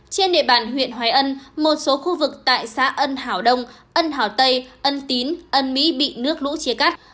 trên địa bàn huyện hoài ân một số khu vực tại xã ân hảo đông ân hảo tây ân tín ân mỹ bị nước lũ chia cắt